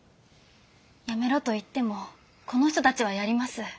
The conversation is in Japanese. やめろと言ってもこの人たちはやります。